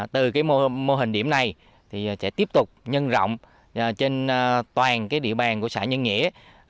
từ mô hình điểm này sẽ tiếp tục nhân rộng trên toàn địa bàn của xã nhân nghĩa